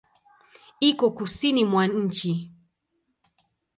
Iko kusini mwa nchi.